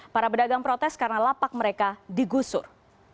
para pedagang protes karena lapak mereka digusur